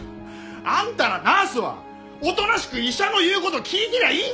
あんたらナースはおとなしく医者の言う事聞いてりゃいいんだよ！